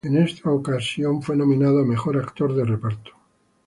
En esta ocasión, fue nominado a mejor actor de reparto.